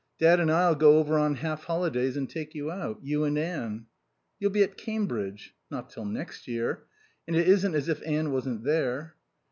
Dad and I'll go over on half holidays and take you out. You and Anne." "You'll be at Cambridge." "Not till next year. And it isn't as if Anne wasn't there."